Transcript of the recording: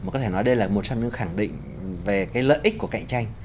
có thể nói đây là một trong những khẳng định về lợi ích của cạnh tranh